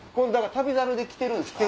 『旅猿』で来てるんすか？